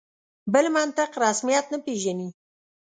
بل منطق رسمیت نه پېژني.